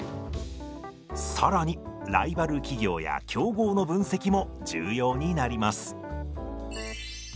更にライバル企業や競合の分析も重要になります。